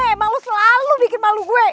emang lu selalu bikin malu gue